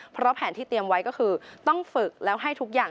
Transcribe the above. เพราะแผนที่เตรียมไว้ก็คือต้องฝึกแล้วให้ทุกอย่าง